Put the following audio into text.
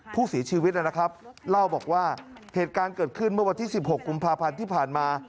ผู้เสียชีวิตนะครับเล่าบอกว่าเหตุการณ์เกิดขึ้นเมื่อวันที่๑๖กุมภาพันธ์ที่ผ่านมา